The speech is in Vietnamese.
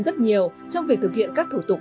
rất nhiều trong việc thực hiện các thủ tục